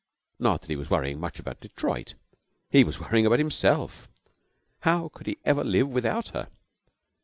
Not that he was worrying much about Detroit. He was worrying about himself. How could he ever live without her?